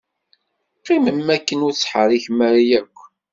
Qqimem akken ur ttḥerrikem ara akk.